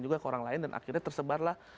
juga ke orang lain dan akhirnya tersebarlah